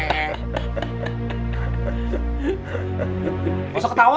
gak usah ketawa